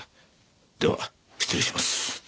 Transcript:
では失礼します。